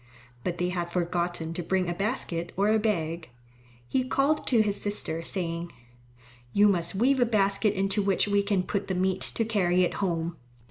But they had forgotten to bring a basket or a bag. He called to his sister saying, "You must weave a basket into which we can put the meat to carry it home."